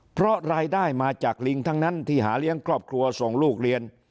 เพราะรายได้มาจากลิงทั้งนั้นที่หาเลี้ยงครอบครัวส่งลูกเรียน